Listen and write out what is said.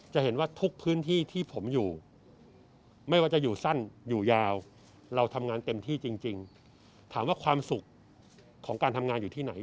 จะเห็นว่าทุกพื้นที่ที่ผมอยู่ไม่ว่าจะอยู่สั้นอยู่ยาวเราทำงานเต็มที่จริงถามว่าความสุขของการทำงานอยู่ที่ไหน